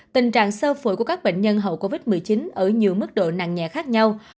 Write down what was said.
tình trạng sơ phổi của các bệnh nhân hậu covid một mươi chín ở nhiều mức độ nặng nhẹ khác nhau